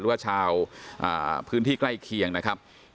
หรือว่าชาวพื้นที่ใกล้เคียงนะครับ